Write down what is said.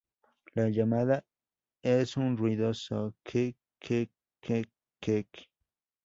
La llamada es un ruidoso `kek-kek-kek-kek`.